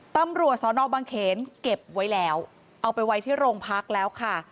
ตำรวจสอนอบังเขนเก็บไว้แล้วเอาไปไว้ที่โรงพักแล้วค่ะ